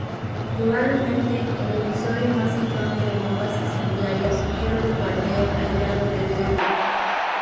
Probablemente, el episodio más infame de bombas incendiarias fue el bombardeo aliado de Dresde.